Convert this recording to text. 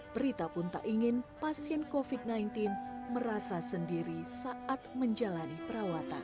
prita pun tak ingin pasien covid sembilan belas merasa sendiri saat menjalani perawatan